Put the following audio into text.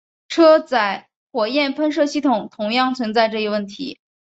车载火焰喷射系统同样存在这一问题。